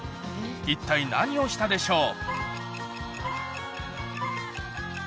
一体何をしたでしょう？